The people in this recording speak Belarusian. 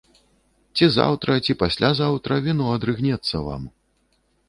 Ці заўтра, ці паслязаўтра віно адрыгнецца вам.